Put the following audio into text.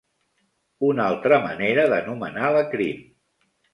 Una altra manera d'anomenar la crin.